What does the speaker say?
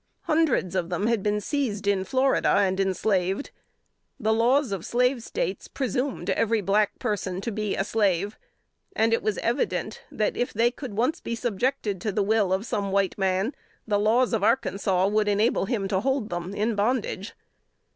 Hundreds of them had been seized in Florida and enslaved. The laws of slave States presumed every black person to be a slave; and it was evident, that if they could once be subjected to the will of some white man, the laws of Arkansas would enable him to hold them in bondage.